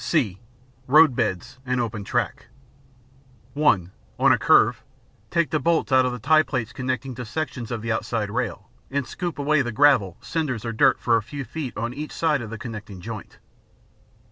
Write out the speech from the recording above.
(c) Road beds and Open Track (1) On a curve, take the bolts out of the tie plates connecting to sections of the outside rail, and scoop away the gravel, cinders, or dirt for a few feet on each side of the connecting joint.